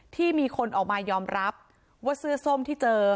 ที่มีคนออกมายอมรับว่าเสื้อส้มที่เจอ